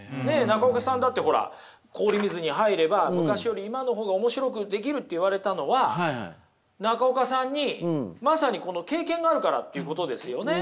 中岡さんだってほら氷水に入れば昔より今の方が面白くできるって言われたのは中岡さんにまさにこの経験があるからっていうことですよね。